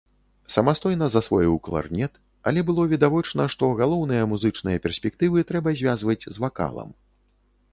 Самастойна засвоіў кларнет, але было відавочна, што галоўныя музычныя перспектывы трэба звязваць з вакалам.